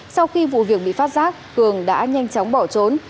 sau khi vụ việc bị phát giác cường đã nhanh chóng bỏ trốn